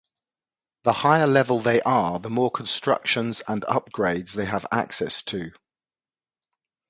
The higher level they are the more constructions and upgrades they have access to.